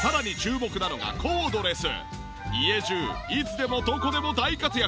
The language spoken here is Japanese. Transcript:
家中いつでもどこでも大活躍。